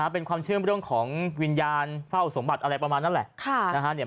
เป็นความเชื่อมเรื่องของวิญญาณเฝ้าสมบัติอะไรประมาณนั้นแหละ